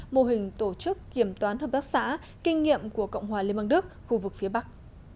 mô hình tổ chức kiểm toán hợp tác xã kinh nghiệm của cộng hòa liên bang đức khu vực phía bắc